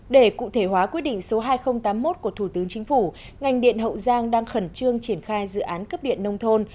để cụ thể hóa quyết định số hai nghìn tám mươi một của thủ tướng chính phủ ngành điện hậu giang đang khẩn trương triển khai dự án cấp điện nông thôn